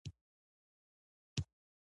په دې ترتیب به هغه بې وسيلې خلک کار ونه مومي